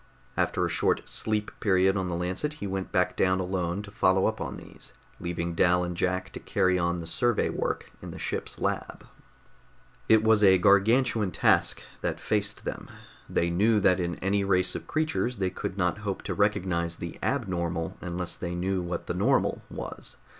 After a short sleep period on the Lancet, he went back down alone to follow up on these, leaving Dal and Jack to carry on the survey work in the ship's lab. It was a gargantuan task that faced them. They knew that in any race of creatures they could not hope to recognize the abnormal unless they knew what the normal was.